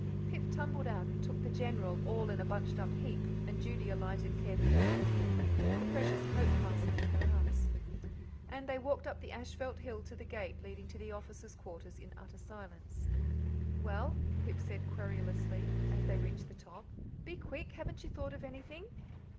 Pip tumbled out and took the General, all in a bunched up heap, and Judy alighted carefully after him, the precious coat parcel in her arms. And they walked up the asphalt hill to the gate leading to the officers' quarters in utter silence. "Well?" Pip said querulously, as they reached the top. "Be quick; haven't you thought of anything?"